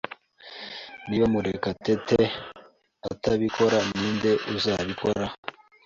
Niba Murekatete atabikora, ninde uzabikora?